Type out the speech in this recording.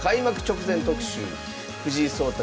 藤井聡太